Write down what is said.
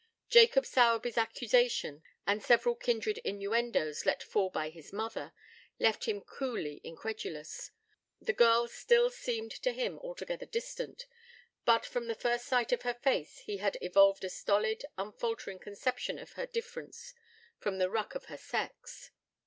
Jacob Sowerby's accusation, and several kindred innuendoes let fall by his mother, left him coolly incredulous; the girl still seemed to him altogether distant; but from the first sight of her face he had evolved a stolid, unfaltering conception of her difference from the ruck of her sex.